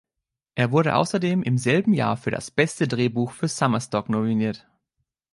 Er wurde außerdem im selben Jahr für das Beste Drehbuch für Summer Stock nominiert.